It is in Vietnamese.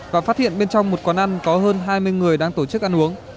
và phát hiện bên trong một quán ăn có hơn hai mươi người đang tổ chức ăn uống